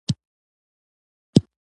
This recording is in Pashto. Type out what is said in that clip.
یو ناڅاپه مې د امیر په دربار کې ولید.